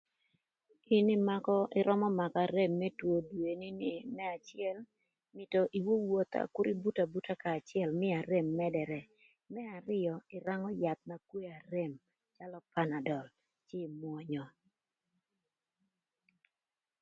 In ïmakö ïrömö makö arem më two dweni. Më acël mïtö iwowotha kür ibut abuta kanya acël mïö arem mëdërë. Më arïö ïrangö yath na kweo arem calö panadöl cë ïmwönyö.